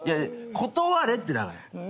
断れってだから。